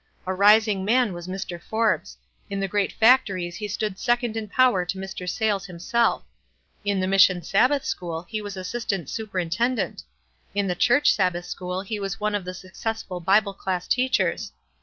A rising man was Mr. Forbes — in the great factories he stood second in power to Mr. Sayles himself; in the mission Sabbath school he was assistant superintendent ; in the church Sabbath school he was one of the suc cessful Bible class teachers.